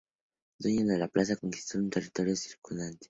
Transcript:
Dueño de la plaza, conquistó el territorio circundante.